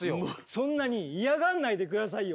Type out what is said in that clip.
そんなにイヤがんないで下さいよ。